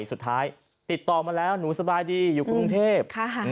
สุดท้ายติดต่อมาแล้วหนูสบายดีอยู่กรุงเทพ